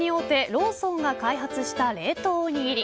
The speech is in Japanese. ローソンが開発した冷凍おにぎり。